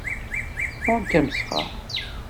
Berka amesxer.